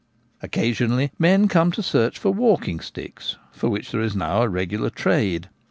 Occasionally men come to search for walking sticks, for which there is now a regular trade.